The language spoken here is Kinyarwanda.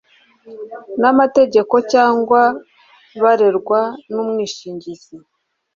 n amategeko cyangwa barerwa n umwishingizi